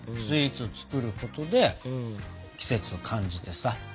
スイーツ作ることで季節を感じてさ。